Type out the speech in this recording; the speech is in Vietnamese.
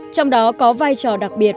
trong đó có vai trò đặc biệt